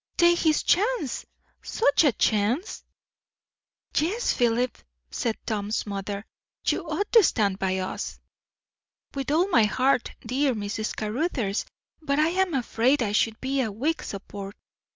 "Take his chance! Such a chance!" "Yes, Philip," said Tom's mother; "you ought to stand by us." "With all my heart, dear Mrs. Caruthers; but I am afraid I should be a weak support.